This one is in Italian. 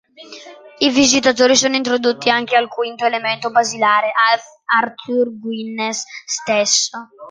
I visitatori sono introdotti anche al quinto elemento basilare: Arthur Guinness stesso.